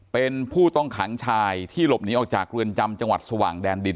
เป็นผู้ต้องขังชายที่หลบหนีออกจากเรือนจำจังหวัดสว่างแดนดิน